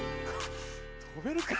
跳べるか？